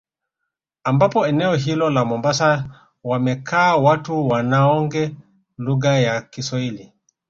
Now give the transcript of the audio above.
Ambapo eneo hilo la mombasa wamekaa watu wanaoonge lugha ya kiswahili